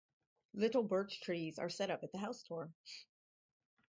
Little birch trees are set up at the house door.